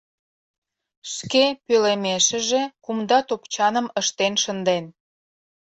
Шке пӧлемешыже кумда топчаным ыштен шынден...